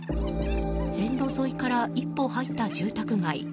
線路沿いから一歩入った住宅街。